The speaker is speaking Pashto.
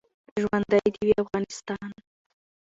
ژوندۍ د وی افغانستان